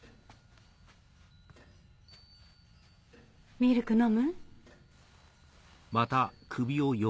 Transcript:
ミルク飲む？